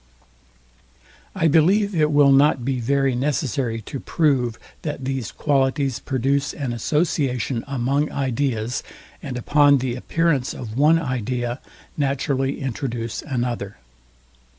I believe it will not be very necessary to prove, that these qualities produce an association among ideas, and upon the appearance of one idea naturally introduce another.